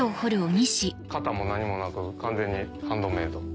型も何もなく完全にハンドメイド。